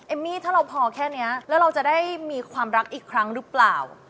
มี่ถ้าเราพอแค่นี้แล้วเราจะได้มีความรักอีกครั้งหรือเปล่า